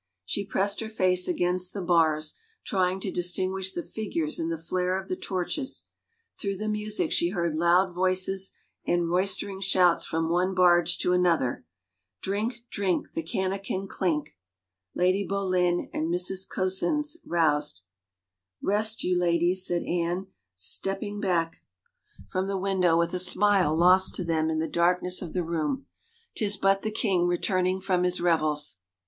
She pressed her face against the bars trying to distinguish the figures in the flare of the torches; through the music she heard loud voices and roistering shouts from one barge to another. Drink, drink, the canakin clink — Lady Boleyn and Mrs. Coseyns roused. " Rest you, ladies," said Anne, stepping back from the 345 THE FAVOR OF KINGS window with a smile lost to them in the darkness of the room. " 'Tis but the king returning from his revels."